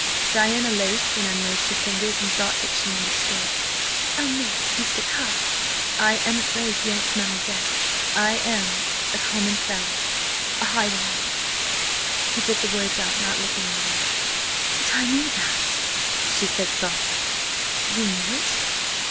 Diana laced and unlaced her fingers, and thought that she understood. "Oh, no, Mr. Carr!" "I am afraid yes, mademoiselle. I am–a common felon ... a highwayman!" He bit the words out, not looking at her. "But I knew that," she said softly. "You knew it?"